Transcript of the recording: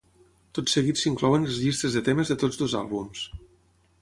Tot seguit s'inclouen les llistes de temes de tots dos àlbums.